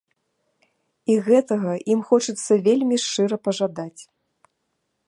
І гэтага ім хочацца вельмі шчыра пажадаць.